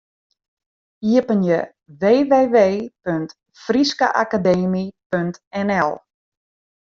Iepenje www.fryskeakademy.nl.